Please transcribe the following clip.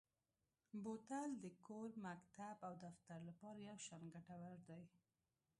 بوتل د کور، مکتب او دفتر لپاره یو شان ګټور دی.